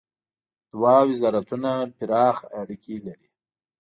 دوه وزارتونه پراخ اړیکي لري.